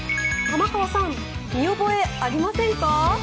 玉川さん、見覚えありませんか？